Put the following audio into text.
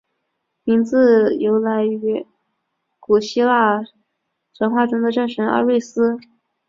名字由来于古希腊神话中的战神阿瑞斯。